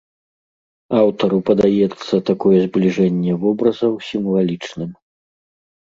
Аўтару падаецца такое збліжэнне вобразаў сімвалічным.